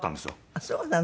あっそうなの。